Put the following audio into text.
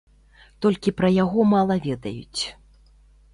Толькі пра яго мала ведаюць.